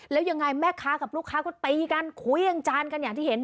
แล้วยังไงแม่ค้ากับลูกค้าก็ตีกันคุยยังจานกันอย่างที่เห็น